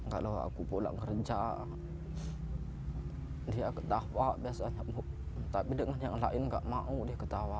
kalau aku pulang kerja dia ketawa biasanya tapi dengan yang lain gak mau dia ketawa